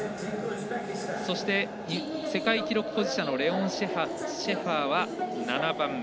そして、世界記録保持者のレオン・シェファーは７番目。